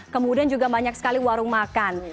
kemudian juga banyak sekali warung makan